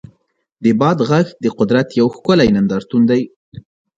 د باد غږ د قدرت یو ښکلی نندارتون دی.